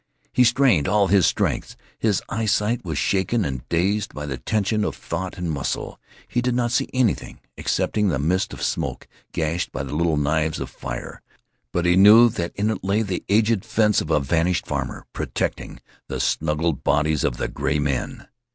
He strained all his strength. His eyesight was shaken and dazzled by the tension of thought and muscle. He did not see anything excepting the mist of smoke gashed by the little knives of fire, but he knew that in it lay the aged fence of a vanished farmer protecting the snuggled bodies of the gray men.